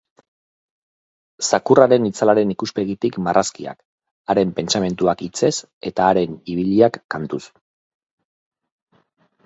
Zakurraren itzalaren ikuspegitik marrazkiak, haren pentsamentuak hitzez eta haren ibiliak kantuz.